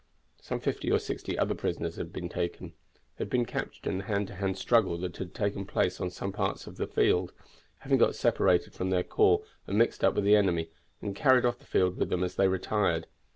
Some fifty or sixty other prisoners had been taken; they had been captured in the hand to hand struggle that had taken place on some parts of the field, having got separated from their corps and mixed up with the enemy, and carried off the field with them as they retired.